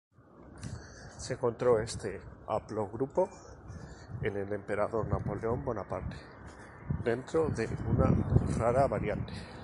Se encontró este haplogrupo en el emperador Napoleón Bonaparte dentro de una rara variante.